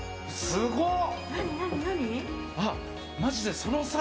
すごい！